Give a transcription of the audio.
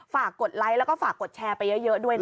กดไลค์แล้วก็ฝากกดแชร์ไปเยอะด้วยนะคะ